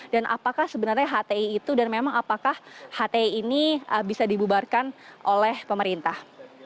dan apakah sebenarnya hti itu dan memang apakah hti ini bisa dibubarkan oleh pemerintah